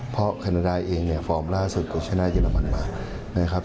เพราะแคนาดาเองเนี่ยฟอร์มล่าสุดก็ชนะเยอรมันมานะครับ